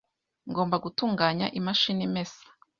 Ngomba gutunganya imashini imesa .